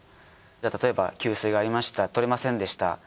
たとえば給水がありました取れませんでした。